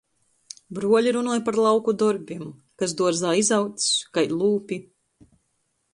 Bruoli runoj par lauku dorbim – kas duorzā izaudzs, kai lūpi.